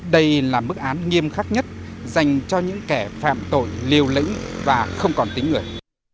đây là mức án nghiêm khắc nhất dành cho những kẻ phạm tội liều lĩnh và không còn tính người